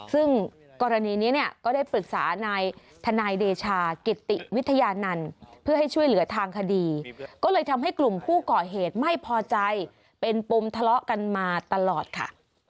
ซึ่งกรณีนี้เนี่ยก็ได้ปรึกษานายทนายเดชากิติวิทยานันต์เพื่อให้ช่วยเหลือทางคดีก็เลยทำให้กลุ่มผู้ก่อเหตุไม่พอใจเป็นปมทะเลาะกันมาตลอดค่ะ